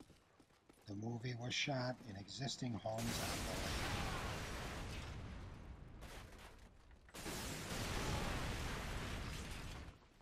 The movie was shot in existing homes on the lake.